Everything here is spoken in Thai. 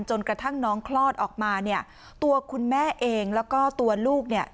จนกระทั่งน้องคลอดออกมาเนี่ยตัวคุณแม่เองแล้วก็ตัวลูกเนี่ย